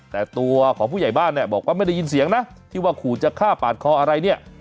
แต่ตัวของผู้ใหญ่บ้านเนี่ยบอกว่าไม่ได้ยินเสียงนะที่ว่าขู่จะฆ่าปาดคออะไรเนี่ย